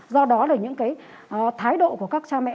do đó là những cái thái độ của các cha mẹ